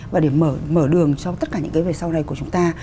và để mở đường cho tất cả những cái về sau này của chúng ta